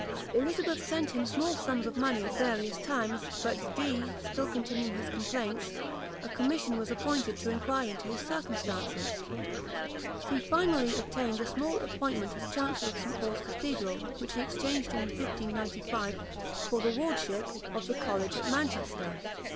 Elizabeth sent him small sums of money at various times; but Dee still continuing his complaints, a commission was appointed to inquire into his circumstances. He finally obtained a small appointment as Chancellor of St. Paul's cathedral, which he exchanged, in 1595, for the wardenship of the college at Manchester.